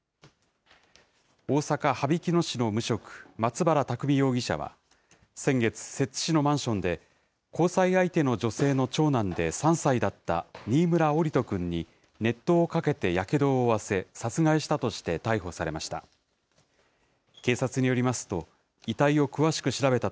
大阪・羽曳野市の無職、松原拓海容疑者は、先月、摂津市のマンションで、交際相手の女性の長男で３歳だった新村桜利斗君に熱湯をかけてやけどを負わせ、殺害したとして逮捕されました。